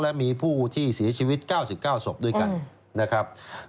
และมีผู้ที่เสียชีวิต๙๙ศพด้วยกันนะครับ